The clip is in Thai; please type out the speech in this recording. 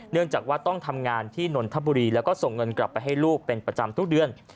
เนื่องจากว่าต้องทำงานที่นนทบุรีแล้วก็ส่งเงินกลับไปให้ลูกเป็นประจำทุกเดือน